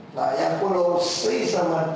nah yang pulau sri sama d